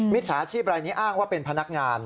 จฉาชีพรายนี้อ้างว่าเป็นพนักงาน